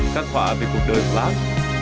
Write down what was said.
các hóa về cuộc đời của bắc